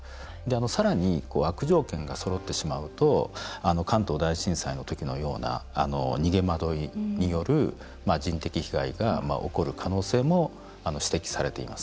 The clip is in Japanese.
さらに悪条件がそろってしまうと関東大震災の時のような逃げ惑いによる人的被害が起こる可能性も指摘されています。